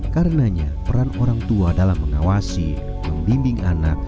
karenanya peran orang tua dalam mengawasi membimbing anak